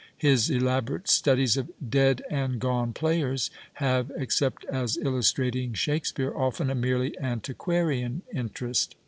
His elaborate studies of dead and gone players have (except as illustrating Shake speare) often a merely antiquarian interest.